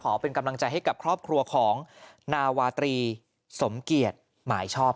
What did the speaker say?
เป็นกำลังใจให้กับครอบครัวของนาวาตรีสมเกียจหมายชอบ